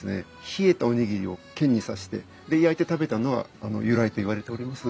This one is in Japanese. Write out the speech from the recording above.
冷えたおにぎりを剣に刺してで焼いて食べたのが由来といわれております。